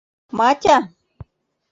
— Матя!